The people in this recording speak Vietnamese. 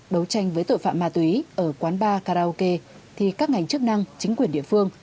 đấu tranh với tội phạm ma túy ở quán bar karaoke thì các ngành chức năng chính quyền địa phương